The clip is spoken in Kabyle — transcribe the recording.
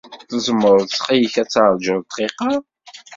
Tzemreḍ ttxil-k ad taṛǧuḍ dqiqa?